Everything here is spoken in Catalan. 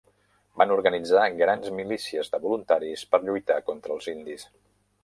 Van organitzar grans milícies de voluntaris per lluitar contra els indis.